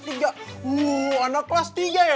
anak kelas tiga ya